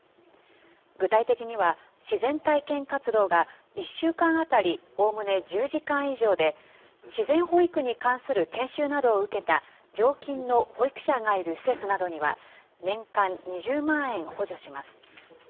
具体的には、自然体験活動が１週間当たりおおむね１０時間以上で、自然保育に関する研修などを受けた常勤の保育者がいる施設などには、年間２０万円補助します。